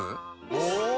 お！